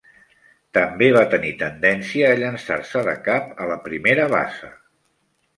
També va tenir tendència a llençar-se de cap a la primera base.